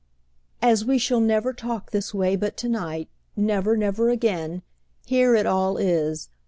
"As we shall never talk this way but to night—never, never again!—here it all is.